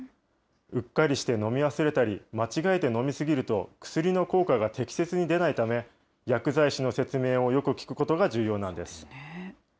うっかりして飲み忘れたり、間違えて飲み過ぎると、薬の効果が適切に出ないため、薬剤師の説明をよく聞くことが重要なんです。